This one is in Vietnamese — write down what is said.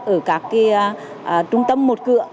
ở các trung tâm một cựa